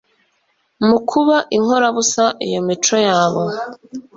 Mu kuba inkorabusa iyo mico yabo